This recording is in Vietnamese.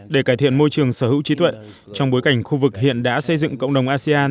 để cải thiện môi trường sở hữu trí tuệ trong bối cảnh khu vực hiện đã xây dựng cộng đồng asean